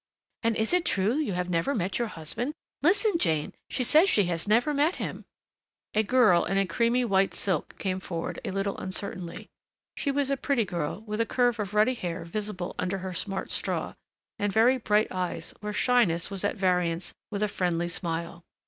"And is it true you have never met your husband? Listen, Jane she says she has never met him " A girl in a creamy white silk came forward a little uncertainly. She was a pretty girl, with a curve of ruddy hair visible under her smart straw, and very bright eyes, where shyness was at variance with a friendly smile.